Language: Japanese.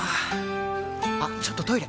あっちょっとトイレ！